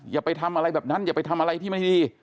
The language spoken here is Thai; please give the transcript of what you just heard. อย่าไปทำอะไรแบบนั้นอย่าไปทำอะไรที่ไม่ดี